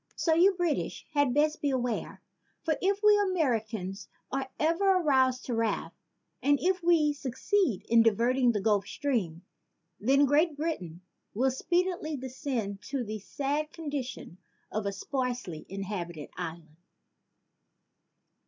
So you British had best beware, for if we Americans are ever aroused to wrath and if we succeed in diverting the Gulf Stream, then Great Britain will speedily descend to the sad condition of a sparsely inhabited island."